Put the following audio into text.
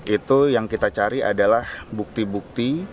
itu yang kita cari adalah bukti bukti